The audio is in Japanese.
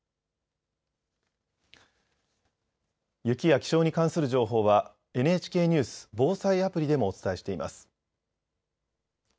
雪や気象に関する情報はＮＨＫニュース・防災アプリでもお伝えしています。